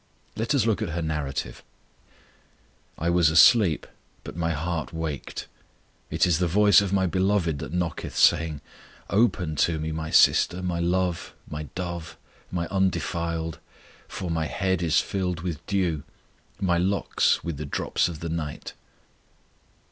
Let us look at her narrative: I was asleep, but my heart waked: It is the voice of my Beloved that knocketh saying, Open to Me, My sister, My love, My dove, My undefiled: For My head is filled with dew, My locks with the drops of the night.